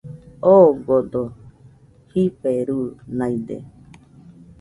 Ogodo jiferunaide